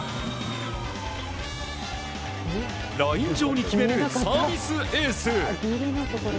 ライン上に決めるサービスエース！